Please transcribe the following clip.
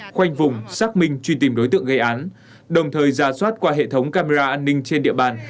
khoanh vùng xác minh truy tìm đối tượng gây án đồng thời ra soát qua hệ thống camera an ninh trên địa bàn